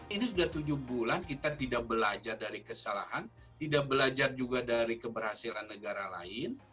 ini sudah tujuh bulan kita tidak belajar dari kesalahan tidak belajar juga dari keberhasilan negara lain